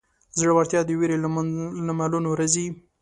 زړورتیا د وېرې له منلو راځي.